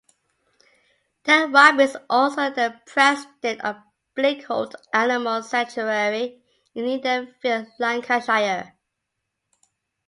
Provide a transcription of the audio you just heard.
Ted Robbins is also the President of Bleakholt Animal Sanctuary in Edenfield, Lancashire.